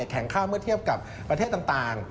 แข็งค่าเมื่อเทียบกับประเทศต่าง